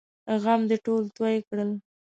غم دې ټول توی کړل!